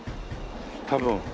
多分。